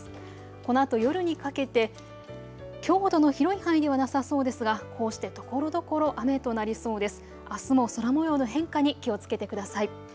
このあと夜にかけてきょうほどの広い範囲ではなさそうですが、こうしてところどころ雨となりそうです。